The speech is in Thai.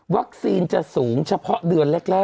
จะสูงเฉพาะเดือนแรก